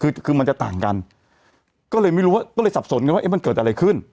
คือคือมันจะต่างกันก็เลยไม่รู้ว่าก็เลยสับสนกันว่ามันเกิดอะไรขึ้น